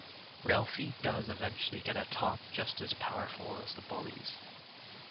Ralphie does eventually get a top just as powerful as the bully's.